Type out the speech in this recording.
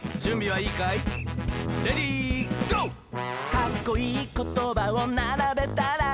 「かっこいいことばをならべたら」